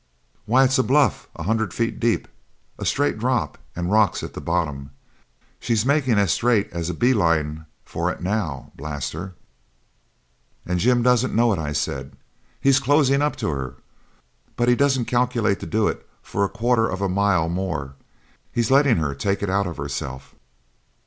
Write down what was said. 'Why, it's a bluff a hundred feet deep a straight drop and rocks at the bottom. She's making as straight as a bee line for it now, blast her!' 'And Jim don't know it,' I said; 'he's closing up to her, but he doesn't calculate to do it for a quarter of a mile more; he's letting her take it out of herself.'